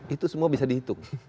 itu semua bisa dihitung